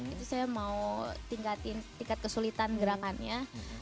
itu saya mau tingkatin tingkat kesulitan gerakannya